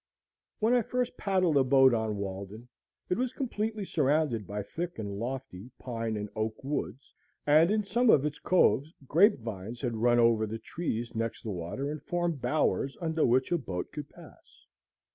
When I first paddled a boat on Walden, it was completely surrounded by thick and lofty pine and oak woods, and in some of its coves grape vines had run over the trees next the water and formed bowers under which a boat could pass.